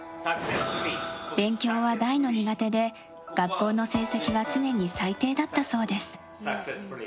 勉強は大の苦手で学校の成績は常に最低だったそうです。